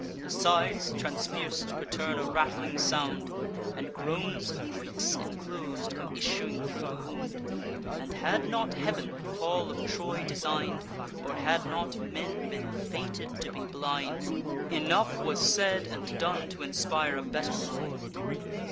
The sides, transpierc'd, return a rattling sound, And groans of Greeks inclos'd come issuing thro' the wound And, had not Heav'n the fall of Troy design'd, Or had not men been fated to be blind, Enough was said and done t'inspire a better mind.